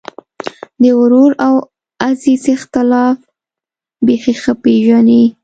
د ورور او عزیز اختلاف بېخي ښه پېژني.